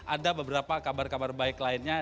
ada beberapa kabar kabar baik lainnya